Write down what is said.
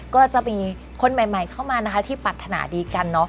ก็จะมีคนใหม่เข้ามาที่ปัฒนาดีกัน